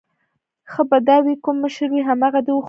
ښه به دا وي کوم مشر وي همغه دې وخوري.